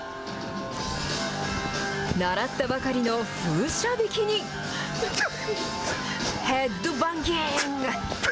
習ったばかりの風車弾きに、ヘッドバンギング。